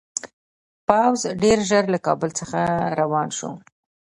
پوځ ډېر ژر له کابل څخه روان شو.